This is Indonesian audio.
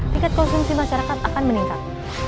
tingkat konsumsi masyarakat akan meningkat